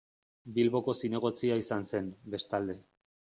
Bilboko zinegotzia izan zen, bestalde.